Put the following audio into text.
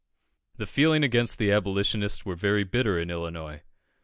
The feeling against the Abolitionists was very bitter in Illinois.